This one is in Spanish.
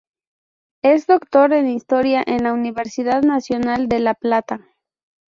Es Doctor en Historia en la Universidad Nacional de La Plata.